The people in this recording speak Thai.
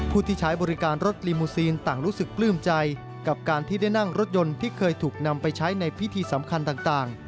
ผู้ที่ใช้บริการรถลีมูซีนต่างรู้สึกปลื้มใจกับการที่ได้นั่งรถยนต์ที่เคยถูกนำไปใช้ในพิธีสำคัญต่าง